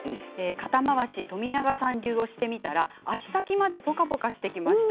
肩回し、冨永さん流をしてみたら足先までポカポカしてきました。